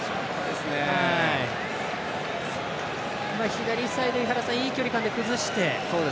左サイド、いい距離感で崩して。